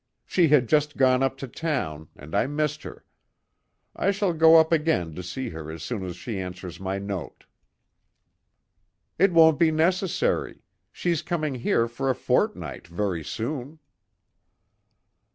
She had just gone up to town, and I missed her. I shall go up again to see her as soon as she answers my note." "It won't be necessary. She's coming here for a fortnight very soon."